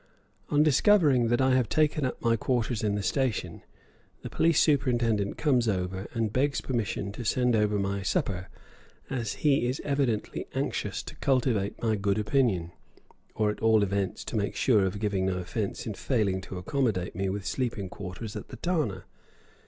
Upon discovering that I have taken up my quarters in the station, the police superintendent comes over and begs permission to send over my supper, as he is evidently anxious to cultivate my good opinion, or, at all events, to make sure of giving no offence in failing to accommodate me with sleeping quarters at the thana.